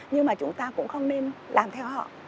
nhưng mà chúng ta cũng không nên làm theo họ